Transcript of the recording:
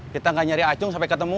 kita gak nyari acung sampai ketemu